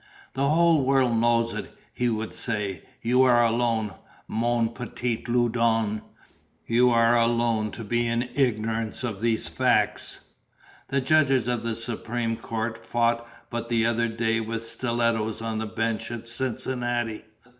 "The whole world knows it," he would say; "you are alone, mon petit Loudon, you are alone to be in ignorance of these facts. The judges of the Supreme Court fought but the other day with stilettos on the bench at Cincinnati.